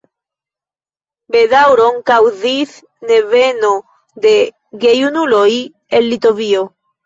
Bedaŭron kaŭzis neveno de gejunuloj el Litovio.